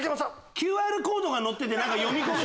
ＱＲコードがのってて読み込む。